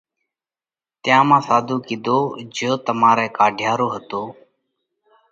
تيا مانھ ساڌُو ڪيڌو جيو تمارئہ ڪاڍيا رو ھتو